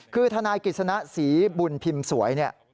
คือทนายกฤษณะศรีบุญพิมพ์สวย